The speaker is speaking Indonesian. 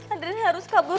adriana harus kabur